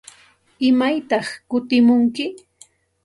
¿Imaytaq kutimunki?